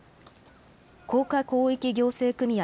甲賀広域行政組合